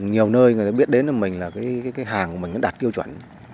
nhiều nơi người ta biết đến mình là cái hàng của mình đã đạt tiêu chuẩn